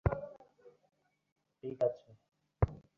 এই আংটি তোমায় পরিয়ে দিতে দেবে?